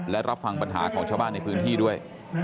และรับฟังปัญหาของชาวบ้านในพื้นที่ด้วย